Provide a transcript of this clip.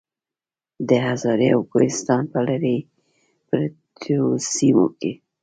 د هزارې او کوهستان پۀ لرې پرتو سيمو کې